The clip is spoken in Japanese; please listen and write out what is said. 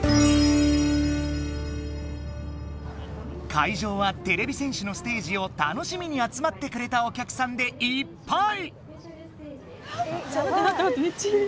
会場はてれび戦士のステージを楽しみにあつまってくれたお客さんでいっぱい！